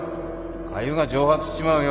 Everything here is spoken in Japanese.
かゆが蒸発しちまうよ